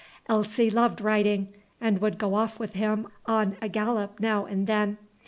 Elsie loved riding, and would go off with him on a gallop now and then.